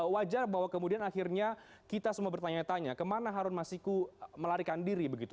wajar bahwa kemudian akhirnya kita semua bertanya tanya kemana harun masiku melarikan diri begitu